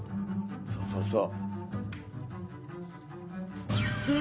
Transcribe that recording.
そうそうそう。